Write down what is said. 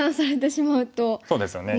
そうですね